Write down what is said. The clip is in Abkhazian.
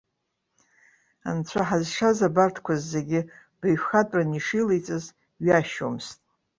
Анцәа ҳазшаз абарҭқәа зегьы баҩхатәран ишилаиҵаз ҩашьомызт.